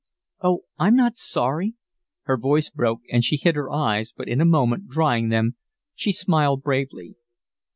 "Oh, I'm not sorry." Her voice broke and she hid her eyes, but in a moment, drying them, she smiled bravely.